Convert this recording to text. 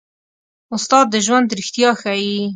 استاد د ژوند رښتیا ښيي.